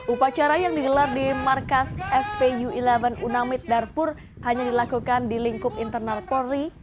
upacara yang digelar di markas fpu sebelas unamid darfur hanya dilakukan di lingkup internal polri